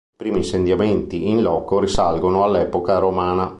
I primi insediamenti in loco risalgono all'epoca romana.